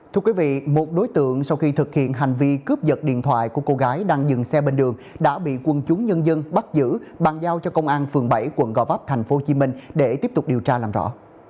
thưa quý vị một đối tượng sau khi thực hiện hành vi cướp giật điện thoại của cô gái đang dừng xe bên đường đã bị quân chúng nhân dân bắt giữ bàn giao cho công an phường bảy quận gò vấp tp hcm để tiếp tục điều tra làm rõ